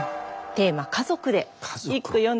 テーマ「家族」で一句詠んでみてください。